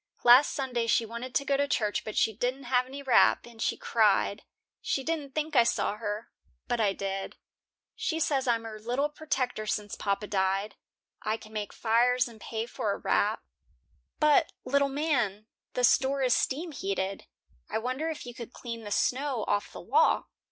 Last Sunday she wanted to go to church, but she didn't have any wrap, and she cried. She didn't think I saw her, but I did. She says I'm her little p'tector since papa died. I can make fires and pay for a wrap." "But, little man, the store is steam heated. I wonder if you could clean the snow off the walk."